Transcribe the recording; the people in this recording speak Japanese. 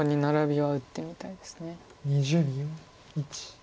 ２０秒。